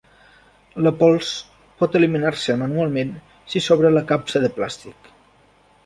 La pols pot eliminar-se manualment si s"obre la capsa de plàstic.